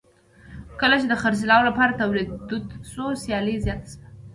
کله چې د خرڅلاو لپاره تولید دود شو سیالي زیاته شوه.